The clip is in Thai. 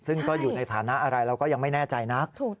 ซึ่งก็อยู่ในฐานะอะไรเราก็ยังไม่แน่ใจนัก